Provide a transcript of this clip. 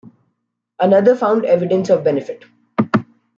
Another found evidence of benefit.